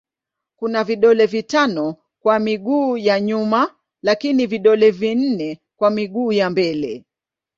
Kuna vidole vitano kwa miguu ya nyuma lakini vidole vinne kwa miguu ya mbele.